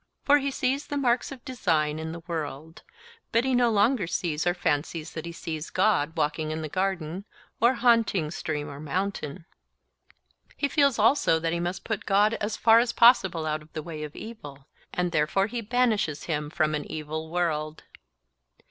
For he sees the marks of design in the world; but he no longer sees or fancies that he sees God walking in the garden or haunting stream or mountain. He feels also that he must put God as far as possible out of the way of evil, and therefore he banishes him from an evil world.